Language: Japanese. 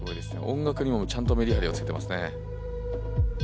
音楽にもちゃんとメリハリをつけてますね。